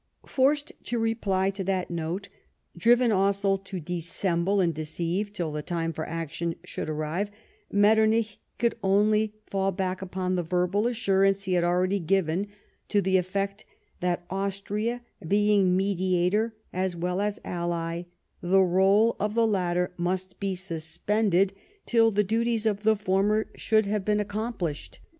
Forced to reply to that note, driven also to dissemble and deceive till the time for action should arrive, Metter nich could only fall back upon the verbal assurance he had already given, to the effect that Austria, being mediator as well as ally, the role of the latter must be suspended till the duties of the former should have been accomplished.